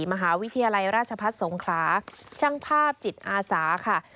มหาวิทยาลัยราชพัฒน์สงขลาช่างภาพจิตอาสาค่ะ